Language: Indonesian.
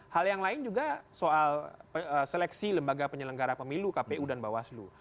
hal yang lain juga soal seleksi lembaga penyelenggara pemilu kpu dan bawaslu